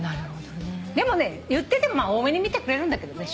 でもね言ってても大目に見てくれるんだけどね。